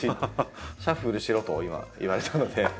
シャッフルしろと今言われたので。